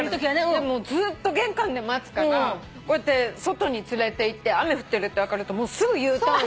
でもずっと玄関で待つからこうやって外に連れていって雨降ってるって分かるとすぐＵターン。